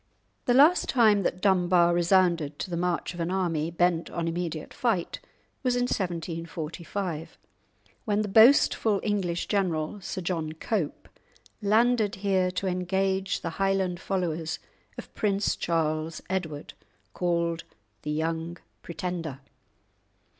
The last time that Dunbar resounded to the march of an army bent on immediate fight was in 1745, when the boastful English general, Sir John Cope, landed here to engage the Highland followers of Prince Charles Edward (called the "Young Pretender").